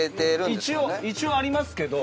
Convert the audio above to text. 一応ありますけど。